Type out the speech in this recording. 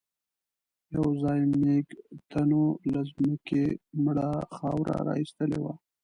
يوځای مېږتنو له ځمکې مړه خاوره را ايستلې وه.